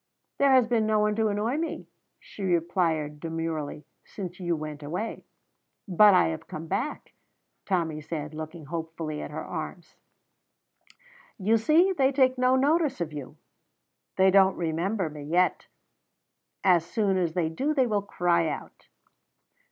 "There has been no one to annoy me," she replied demurely, "since you went away." "But I have come back," Tommy said, looking hopefully at her arms. "You see they take no notice of you." "They don't remember me yet. As soon as they do they will cry out."